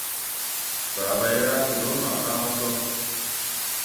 Bàa bay rage dɔɔ ma ɓaa wà sɔ.